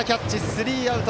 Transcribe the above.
スリーアウト。